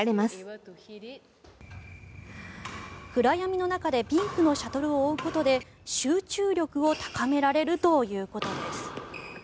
暗闇の中でピンクのシャトルを追うことで集中力を高められるということです。